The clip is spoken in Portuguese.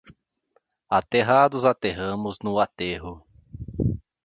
Aterrados aterramos no aterro.